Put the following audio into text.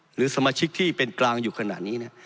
หรือสมาชิกที่เป็นกลางอยู่ขนาดนี้